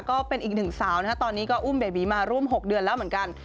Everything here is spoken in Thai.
ก็เป็นอีกหนึ่งสาวนะครับตอนนี้ก็อุ้มเบบีมาร่วม๖เดือนแล้วเหมือนกัน